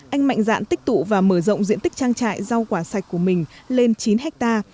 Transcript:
anh mạnh dạn tích tụ và mở rộng diện tích trang trại rau quả sạch của mình lên chín ha